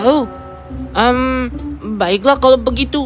oh baiklah kalau begitu